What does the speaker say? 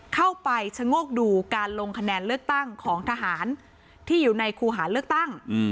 เข้าไปชะโงกดูการลงคะแนนเลือกตั้งของทหารที่อยู่ในคู่หาเลือกตั้ง